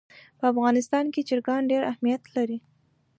په افغانستان کې چرګان ډېر اهمیت لري.